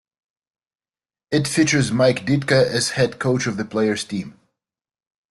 It features Mike Ditka as head coach of the player's team.